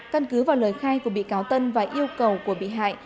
căn cứ vào lời khai của bị cáo tân và yêu cầu của bị hại